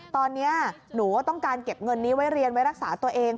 ตอนนี้หนูก็ต้องการเก็บเงินนี้ไว้เรียนไว้รักษาตัวเอง